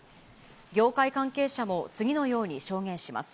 業界関係者も次のように証言します。